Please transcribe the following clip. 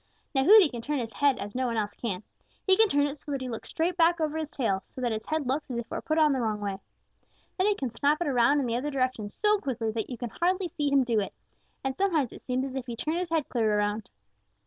Now Hooty can turn his head as no one else can. He can turn it so that he looks straight back over his tail, so that his head looks as if it were put on the wrong way. Then he can snap it around in the other direction so quickly that you can hardly see him do it, and sometimes it seems as if he turned his head clear around.